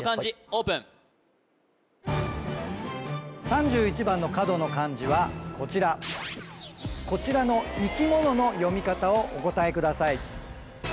オープン３１番の角の漢字はこちらこちらの生き物の読み方をお答えください